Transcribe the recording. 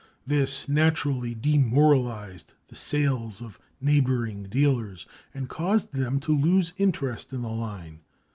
This naturally demoralized the sales of neighboring dealers and caused them to lose interest in the line.